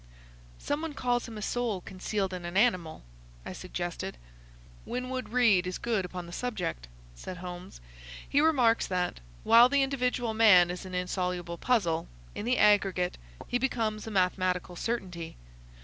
"Some one calls him a soul concealed in an animal," I suggested. "Winwood Reade is good upon the subject," said Holmes. "He remarks that, while the individual man is an insoluble puzzle, in the aggregate he becomes a mathematical certainty.